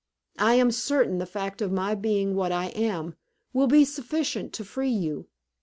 I am certain the fact of my being what I am, will be sufficient to free you.